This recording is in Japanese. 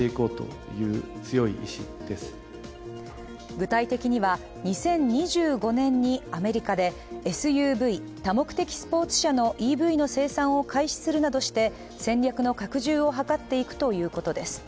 具体的には、２０２５年にアメリカでＳＵＶ＝多目的スポーツ車のＥＶの生産を開始するなどして戦略の拡充を図っていくということです。